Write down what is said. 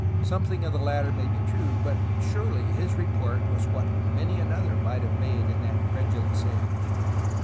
Something of the latter may be true, but, surely, his report was what many another might have made in that credulous age.